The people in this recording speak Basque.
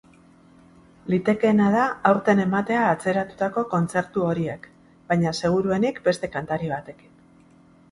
Litekeena da aurten ematea atzeratutako kontzertu horiek, baina seguruenik beste kantari batekin.